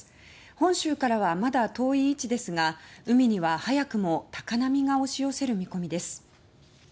本州からは、まだ遠い位置ですが海には早くも高波が押し寄せる見込みです。